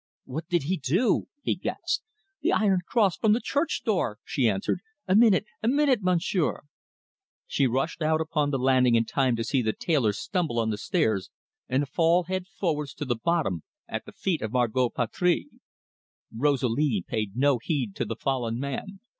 "What did he do?" he gasped. "The iron cross from the church door!" she answered. "A minute, one minute, Monsieur!" She rushed out upon the landing in time to see the tailor stumble on the stairs and fall head forwards to the bottom, at the feet of Margot Patry. Rosalie paid no heed to the fallen man.